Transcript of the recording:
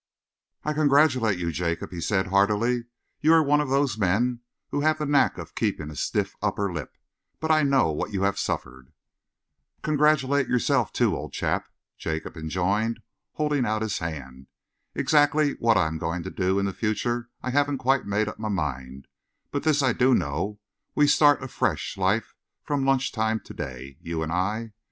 "I congratulate you, Jacob," he said heartily. "You are one of those men who have the knack of keeping a stiff upper lip, but I know what you have suffered." "Congratulate yourself, too, old chap," Jacob enjoined, holding out his hand. "Exactly what I am going to do in the future I haven't quite made up my mind, but this I do know we start a fresh life from lunch time to day, you and I.